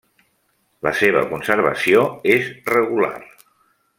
La seva conservació és regular.